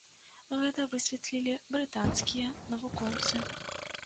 Гэта высветлілі брытанскія навукоўцы.